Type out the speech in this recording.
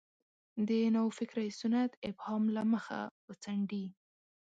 د نوفکرۍ سنت ابهام له مخه وڅنډي.